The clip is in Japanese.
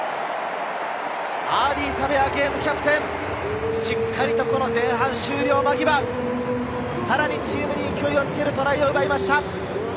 アーディー・サヴェア、ゲームキャプテン、しっかり前半終了間際、さらにチームに勢いをつけるトライを奪いました。